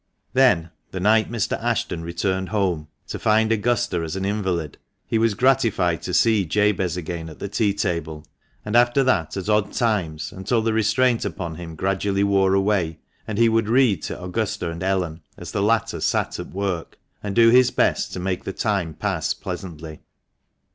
Then, the night Mr. Ashton returned home, to find Augusta an invalid, he was gratified to see Jabez again at the tea table, and after that at odd times, until the restraint upon him gradually wore away, and he would read to Augusta and Ellen, as the latter sat at work, and do his best to make the time pass pleasantly.